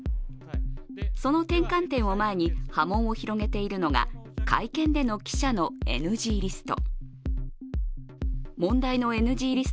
その転換点を前に波紋を広げているのが会見での記者のＮＧリスト。